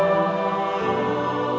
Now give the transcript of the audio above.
jangan jatuh bertenaga